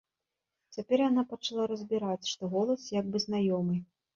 Цяпер яна пачала разбіраць, што голас як бы знаёмы.